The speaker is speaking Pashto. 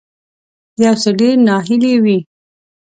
یو څه ډیر ناهیلی وي